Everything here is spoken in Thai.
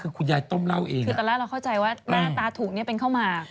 คือตอนแรกเราเข้าใจว่าหน้าตาถุงนี่เป็นข้าวหมาก